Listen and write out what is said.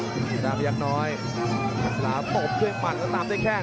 ซึลามัยักษ์น้อยซาเราตกด้วยมันก็ตามได้แค่น